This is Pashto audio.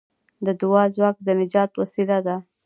د دعا ځواک د نجات وسیله ده.